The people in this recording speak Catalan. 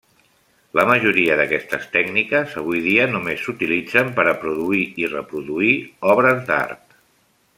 La majoria d'aquestes tècniques avui dia només s'utilitzen per a produir i reproduir obres d'art.